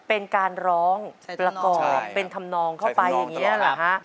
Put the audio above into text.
เป็นการร้องประกอบเป็นทำนองเข้าไปอย่างนี้เหรอฮะ